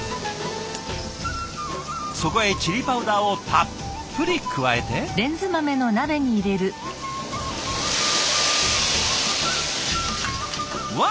そこへチリパウダーをたっぷり加えて。わ！